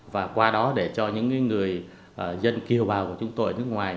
và qua đó để cho những người dân kiều bào của chúng tôi ở nước ngoài